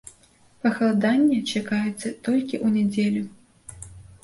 Пахаладанне чакаецца толькі ў нядзелю.